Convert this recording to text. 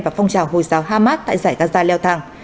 và phong trào hồi giáo hamas tại giải gaza leo thang